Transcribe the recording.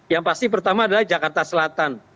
yang pasti pertama adalah jakarta selatan